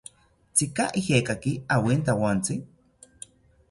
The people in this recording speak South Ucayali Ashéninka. ¿Tzika ijekaki awintawontzi?